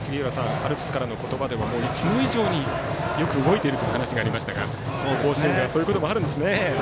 アルプスからの言葉でもいつも以上によく動いていると話がありましたが甲子園ではそういうこともあるんですね。